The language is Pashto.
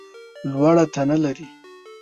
لوړه تنه لرې !